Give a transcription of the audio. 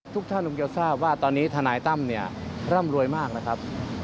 ทุกท่านมองเกียรติศาสตร์ว่าตอนนี้ทนายตั้มร่ำเร้วยมากนะครับ